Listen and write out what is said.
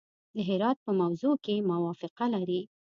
د هرات په موضوع کې موافقه لري.